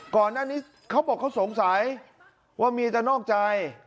ก่อนหน้านี้เขาบอกเขาสงสัยว่าเมียจะนอกใจ